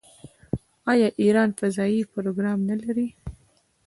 آیا ایران فضايي پروګرام نلري؟